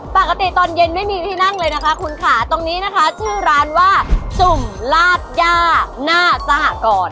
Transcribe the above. ปกติตอนเย็นไม่มีที่นั่งเลยนะคะคุณค่ะตรงนี้นะคะชื่อร้านว่าจุ่มลาดย่าหน้าสหกร